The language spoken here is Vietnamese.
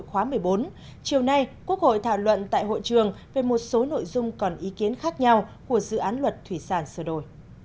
chiều khóa một mươi bốn chiều nay quốc hội thảo luận tại hội trường về một số nội dung còn ý kiến khác nhau của dự án luật thủy sản sửa đổi